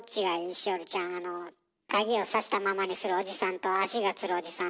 栞里ちゃんあの鍵をさしたままにするおじさんと足がつるおじさん。